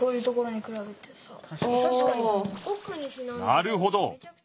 なるほど！